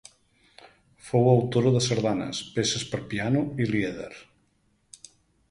Fou autora de sardanes, peces per piano i lieder.